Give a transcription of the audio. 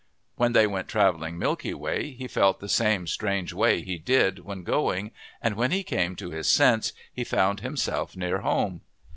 When they went travelling Milky Way he felt the same strange way he did when going and when he came to his sense he found himself near home.